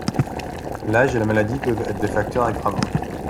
L'âge et la maladie peuvent être des facteurs aggravants.